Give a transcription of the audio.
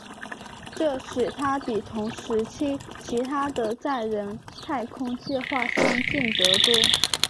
这使它比同时期其它的载人太空计划先进得多。